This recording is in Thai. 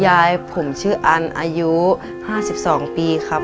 ญาติของผมชื่ออันอายุ๕๒ปีค่ะ